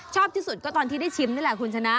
ชอบที่สุดก็ตอนที่ได้ชิมนี่แหละคุณชนะ